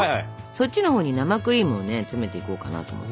そっちのほうに生クリームをね詰めていこうかなと思って。